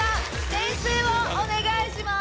点数をお願いします。